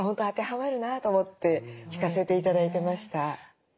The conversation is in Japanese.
あてはまるなと思って聞かせて頂いてました。